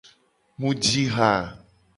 Mu ji ha.